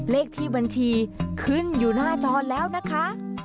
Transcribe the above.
เลขที่บัญชีขึ้นอยู่หน้าจอแล้วนะคะ